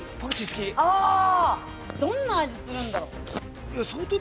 どんな味がするんだろう。